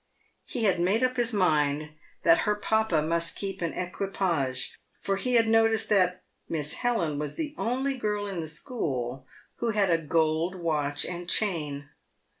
He had made up his mind that her papa must keep an equipage, for he had noticed that Miss Helen was the only girl in the school who had a gold watch and chain.